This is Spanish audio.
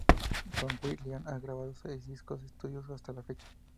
Con White Lion ha grabado seis discos de estudio hasta la fecha.